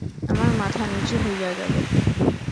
আমার মাথা নিচু হইয়া গেল।